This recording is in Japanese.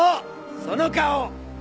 その顔！